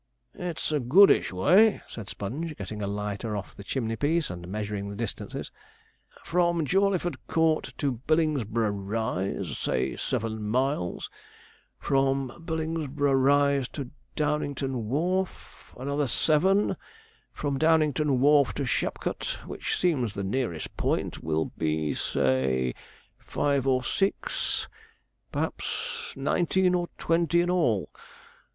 'It's a goodish way,' said Sponge, getting a lighter off the chimney piece, and measuring the distances. 'From Jawleyford Court to Billingsborough Rise, say seven miles; from Billingsborough Rise to Downington Wharf, other seven; from Downington Wharf to Shapcot, which seems the nearest point, will be say five or six, perhaps nineteen or twenty in all.